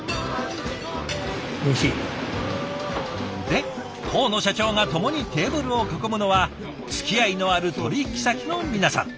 で当の社長が共にテーブルを囲むのはつきあいのある取引先の皆さん。